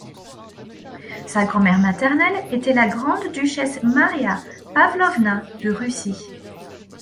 Sa grand-mère maternelle était la grande-duchesse Maria Pavlovna de Russie.